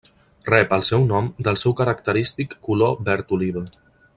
Rep el seu nom del seu característic color verd oliva.